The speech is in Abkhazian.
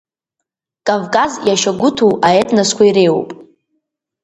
Кавказ иашьагәыҭу аетносқәа иреиуоуп.